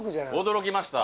驚きました。